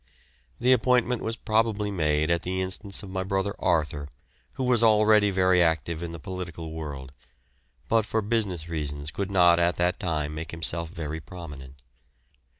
The appointment was probably made at the instance of my brother Arthur, who was already very active in the political world, but for business reasons could not at that time make himself very prominent.